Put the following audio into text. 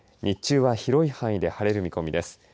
日中は広い範囲で晴れる見込みです。